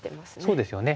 そうですよね。